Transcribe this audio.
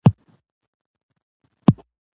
خداى په کور کې راکړه